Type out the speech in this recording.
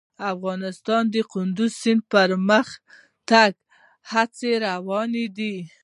افغانستان کې د کندز سیند د پرمختګ هڅې روانې دي.